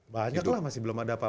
banyak lah masih belum ada apa apa